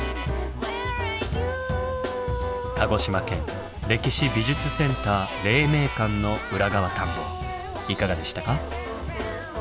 鹿児島県歴史・美術センター黎明館の裏側探訪いかがでしたか？